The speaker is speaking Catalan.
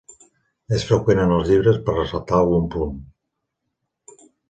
És freqüent en els llibres per ressaltar algun punt.